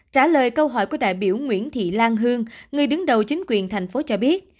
trả lời câu hỏi của đại biểu nguyễn thị lan hương người đứng đầu chính quyền thành phố cho biết